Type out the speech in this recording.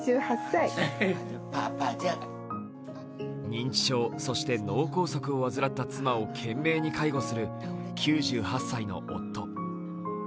認知症、そして脳梗塞を患った妻を懸命に介護する９８歳の夫。